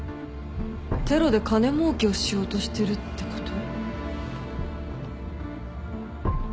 テロで金もうけをしようとしてるってこと？